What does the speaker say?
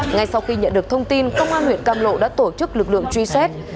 ngay sau khi nhận được thông tin công an huyện cam lộ đã tổ chức lực lượng truy xét